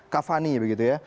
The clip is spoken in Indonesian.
kak fani begitu ya